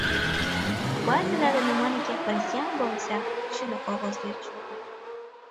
Ba’zilari nimani gapirgan bo'lsa, shuni qog'ozga tushirdim.